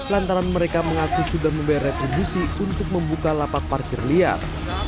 lantaran mereka mengaku sudah membayar retribusi untuk membuka lapak parkir liar